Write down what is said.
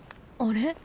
あれ？